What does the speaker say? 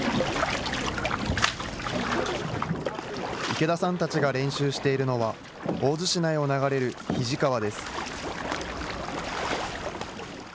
池田さんたちが練習しているのは、大洲市内を流れる肱川です。